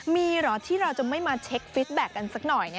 มีเหรอที่เราจะไม่มาเช็คฟิตแบ็คกันสักหน่อย